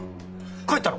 帰ったの？